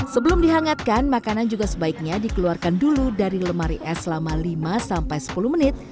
sebelum dihangatkan makanan juga sebaiknya dikeluarkan dulu dari lemari es selama lima sampai sepuluh menit